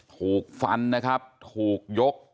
ถูกฟันนะครับถูกยก